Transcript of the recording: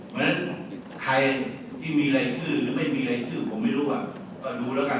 เหมือนใครที่มีรายชื่อหรือไม่มีรายชื่อผมไม่รู้อะก็ดูแล้วกัน